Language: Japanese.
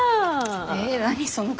え何その顔。